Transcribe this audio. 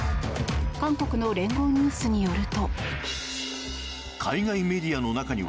韓国の連合ニュースによると。